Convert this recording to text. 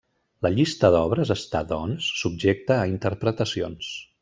La llista d'obres està, doncs, subjecta a interpretacions.